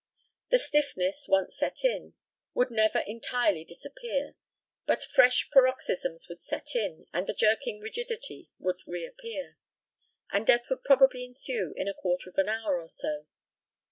The stiffness, once set in, would never entirely disappear; but fresh paroxysms would set in, and the jerking rigidity would re appear; and death would probably ensue in a quarter of an hour or so.